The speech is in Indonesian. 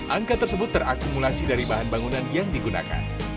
angka tersebut terakumulasi dari bahan bangunan yang digunakan